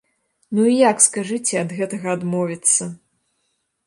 Ну і як, скажыце, ад гэтага адмовіцца?